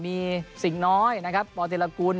โสงซิงน้อยนะครับปว่าแตีลละกุน